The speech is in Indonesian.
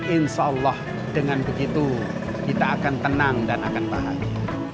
insya allah dengan begitu kita akan tenang dan akan bahagia